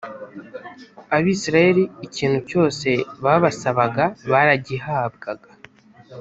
abisirayeli ikintu cyose babasabaga, baragihabwaga